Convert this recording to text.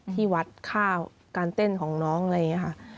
ที่วัดข้าวการเต้นของน้องอะไรอย่างนี้ค่ะ